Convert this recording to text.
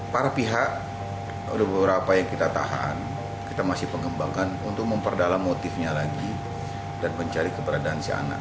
pertama kita harus memperdalam motifnya lagi dan mencari keberadaan si anak